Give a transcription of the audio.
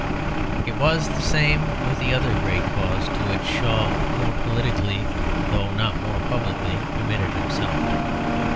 It was the same with the other great cause to which Shaw more politically though not more publicly committed himself.